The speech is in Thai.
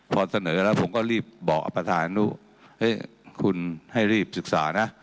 พอเสนอแล้วผมก็รีบบอกประธานอนุเฮ้ยคุณให้รีบศึกษานะ